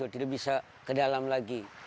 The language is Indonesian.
tidak bisa ke dalam lagi